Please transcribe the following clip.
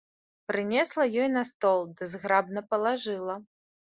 Прынесла ёй на стол ды зграбна палажыла.